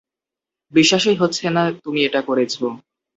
বিশ্বাসই হচ্ছে না তুমি এটা করেছ।